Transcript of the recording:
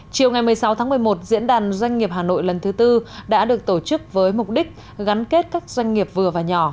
chiều ngày một mươi sáu tháng một mươi một diễn đàn doanh nghiệp hà nội lần thứ tư đã được tổ chức với mục đích gắn kết các doanh nghiệp vừa và nhỏ